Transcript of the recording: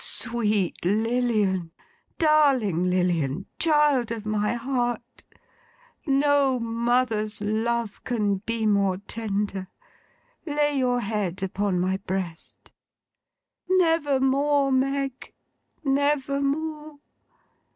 'Sweet Lilian! Darling Lilian! Child of my heart—no mother's love can be more tender—lay your head upon my breast!' 'Never more, Meg. Never more!